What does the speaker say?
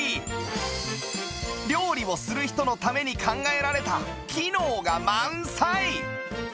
料理をする人のために考えられた機能が満載！